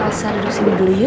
elsa duduk sini dulu ya